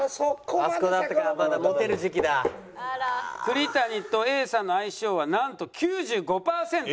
栗谷とＡさんの相性はなんと９５パーセント。